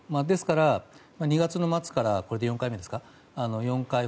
ですから、２月の末からこれで４回目ですか。